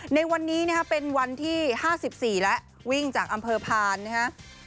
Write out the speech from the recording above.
ในวันนี้นะครับเป็นวันที่๕๔แล้ววิ่งจากอำเภอพานนะฮะ